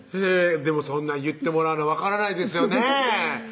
でもそんなん言ってもらわな分からないですよねぇ